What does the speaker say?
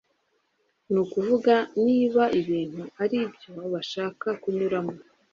Nukuvuga niba ibintu aribyo bashaka kunyuramo